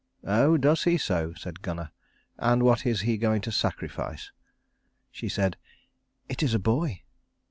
"Oh, does he so?" said Gunnar. "And what is he going to sacrifice?" She said, "It is a boy."